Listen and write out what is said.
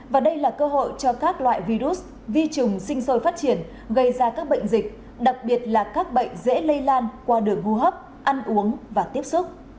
và đây là cơ hội cho các loại virus vi trùng sinh sôi phát triển gây ra các bệnh dịch đặc biệt là các bệnh dễ lây lan qua đường hô hấp ăn uống và tiếp xúc